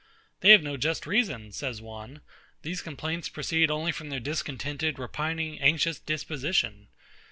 They have no just reason, says one: these complaints proceed only from their discontented, repining, anxious disposition...